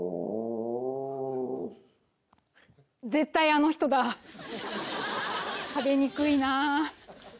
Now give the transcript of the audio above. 絶対あの人だ食べにくいな。